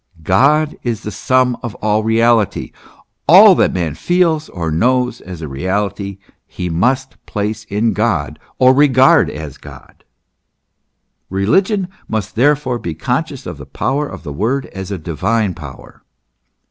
* God is the sum of all reality. All that man feels or knows as a reality, he must place in God or regard as God. Religion must therefore be conscious of the power of the word as a divine power.